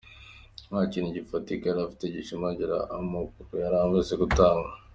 Nta kintu gifatika yari afite gishimangira amakuru yari amaze gutanga.